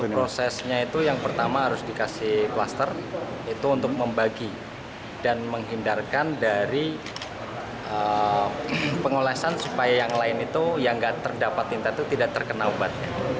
prosesnya itu yang pertama harus dikasih kluster itu untuk membagi dan menghindarkan dari pengolesan supaya yang lain itu yang tidak terdapat pintar itu tidak terkena obat